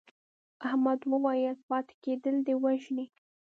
احمد وویل پاتې کېدل دې وژني.